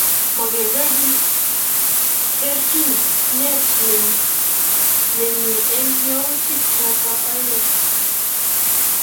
Mongerei bik terchin et nemi eng yautik choto oeng